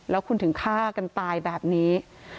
แล้วคุณถึงฆ่ากันตายแบบนี้